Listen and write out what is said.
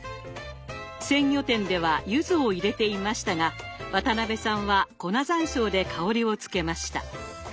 鮮魚店ではゆずを入れていましたが渡辺さんは粉ざんしょうで香りをつけました。